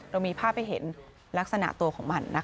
เรามีภาพให้เห็นลักษณะตัวของมันนะคะ